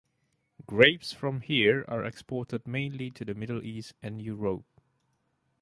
Grapes from here are exported mainly to the Middle East and Europe.